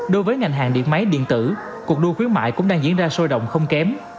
đối với ngành hàng điện máy điện tử cuộc đua khuyến mại cũng đang diễn ra sôi động không kém